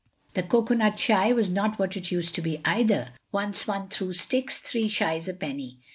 The coconut shy was not what it used to be either. Once one threw sticks, three shies a penny.